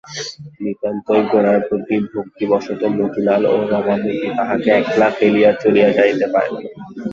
নিতান্তই গোরার প্রতি ভক্তিবশত মতিলাল ও রমাপতি তাহাকে একলা ফেলিয়া চলিয়া যাইতে পারিল না।